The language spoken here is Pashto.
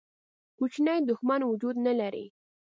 کوچنی دښمن وجود نه لري.